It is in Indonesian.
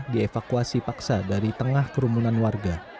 dievakuasi paksa dari tengah kerumunan warga